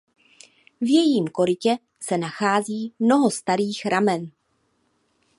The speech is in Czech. V jejím korytě se nachází mnoho starých ramen.